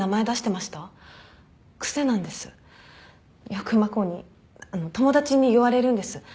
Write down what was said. よく真子にあの友達に言われるんです。